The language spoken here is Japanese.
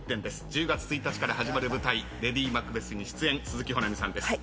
１０月１日から始まる舞台『レイディマクベス』に出演鈴木保奈美さんです。